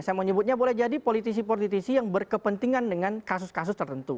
saya menyebutnya boleh jadi politisi politisi yang berkepentingan dengan kasus kasus tertentu